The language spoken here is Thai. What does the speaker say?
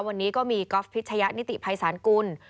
วันนี้ก็มีก๊อฟพิชยะนิติภัยศาลกุล